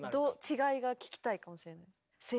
違いが聴きたいかもしれないです。